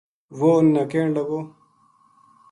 وہ انھ نا کہن لگو